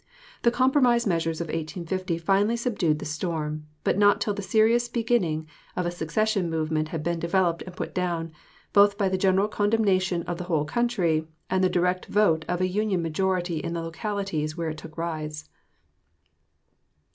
The compromise measures of 1850 finally subdued the storm; but not till the serious beginning of a secession movement had been developed and put down, both by the general condemnation of the whole country, and the direct vote of a union majority in the localities where it took its rise.